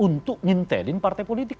untuk ngintelin partai politik